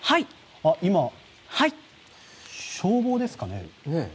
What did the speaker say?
今、消防ですかね？